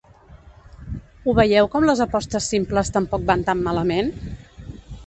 Ho veieu com les apostes simples tampoc van tan malament?